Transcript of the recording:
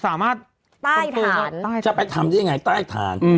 สามารถทุกว่าจะไปทำได้ยังไงใต้ฐานใต้ฐาน